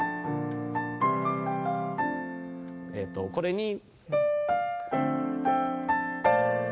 えっとこれに。